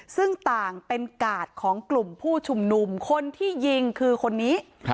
ซึ่งต่างเป็นกาดของกลุ่มผู้ชุมนุมคนที่ยิงคือคนนี้